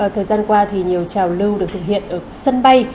thời gian qua thì nhiều trào lưu được thực hiện ở sân bay